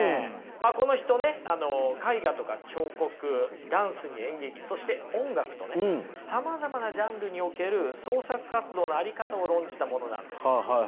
この人ね絵画とか彫刻ダンスに演劇そして音楽とねさまざまなジャンルにおける創作活動の在り方を論じた者なんです。